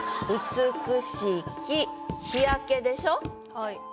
はい。